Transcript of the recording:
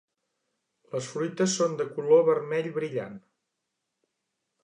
Les fruites són de color vermell brillant.